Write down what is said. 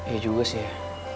iya juga sih ya